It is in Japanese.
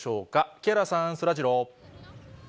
木原さん、そらジロー。